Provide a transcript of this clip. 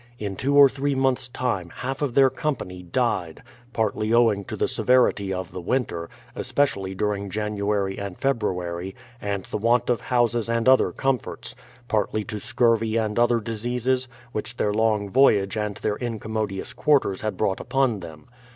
In two or three months' time half of their company died, partly owing to the severity of the v/inter, especially during Jan uary and February, and the want of houses and other com THE PLYMOUTH SETTLEMENT 77 forts; partly to scurvy and other diseases, which their long voyage and their incommodious quarters had brought upon them.